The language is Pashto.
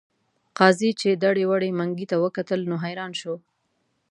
قاضي چې دړې وړې منګي ته وکتل نو حیران شو.